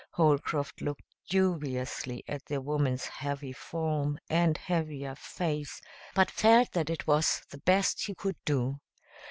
Holcroft looked dubiously at the woman's heavy form and heavier face, but felt that it was the best he could do.